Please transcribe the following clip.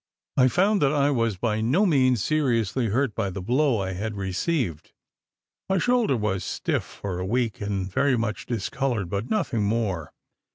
I found that I was by no means seriously hurt by the blow I had received: my shoulder was stiff for a week, and very much discoloured, but nothing more.